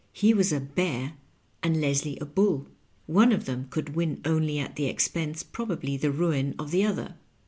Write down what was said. He was a ^^ bear " and Les lie a " bxdl ''; one of them could win only at the expense, probably the ruin, of the other.